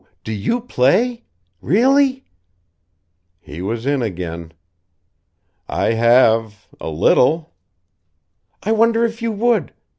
do you play: really?" He was in again. "I have a little." "I wonder if you would?